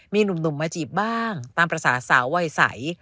มีหนุ่มมาจีบบ้างตามภาษาสาววัยใส